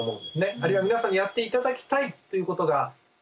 あるいは皆さんにやって頂きたいということがあります。